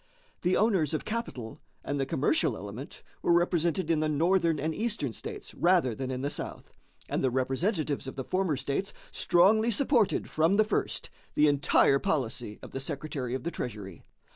The owners of capital and the commercial element were represented in the Northern and Eastern States rather than in the South, and the representatives of the former states strongly supported from the first the entire policy of the Secretary of the Treasury.